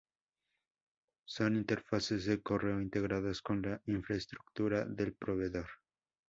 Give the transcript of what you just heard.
Son interfaces de correo integradas con la infraestructura del proveedor.